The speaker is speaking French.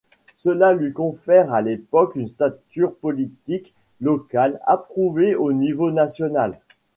Cela lui confère à l'époque une stature politique locale approuvée au niveau national.